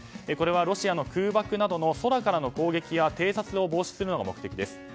これはロシアの空爆などの空からの攻撃や偵察を防止するのが目的です。